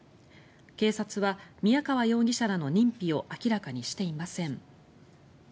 警察は宮川容疑者らの認否を明らかにしていません。